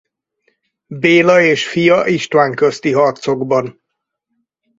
Béla és fia István közti harcokban.